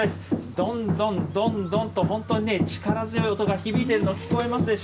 どんどんどんどんと、本当に力強い音が響いてるの、聞こえますでしょ？